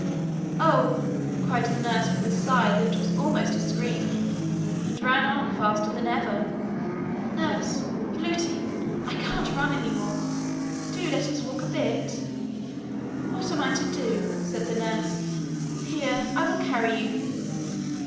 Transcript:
'Oh!' cried the nurse with a sigh that was almost a scream, and ran on faster than ever. 'Nursie! Lootie! I can't run any more. Do let us walk a bit.' 'What am I to do?' said the nurse. 'Here, I will carry you.'